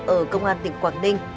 ở công an tỉnh quảng ninh